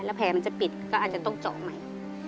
แผลมันจะปิดก็อาจจะต้องเจาะใหม่